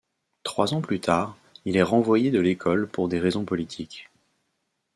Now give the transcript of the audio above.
Trois ans plus tard il est renvoyé de l'école pour des raisons politiques.